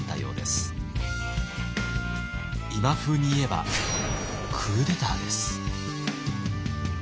今風に言えばクーデターです。